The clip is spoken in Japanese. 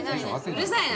うるさいな！